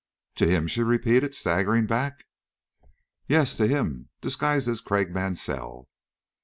"To him!" she repeated, staggering back. "Yes, to him, disguised as Craik Mansell.